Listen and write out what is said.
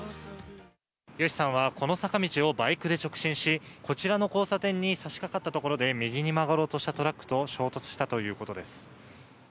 ＹＯＳＨＩさんはこの坂道をバイクで直進しこちらの交差点に差し掛かったところで右に曲がろうとしたトラックと衝突したということです。